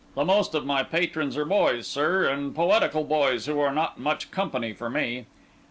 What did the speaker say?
The most of my patrons are boys, sir, and poetical boys, who are not much company for me.